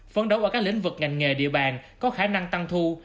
phấn đấu ở các lĩnh vực ngành nghề địa bàn có khả năng tăng thu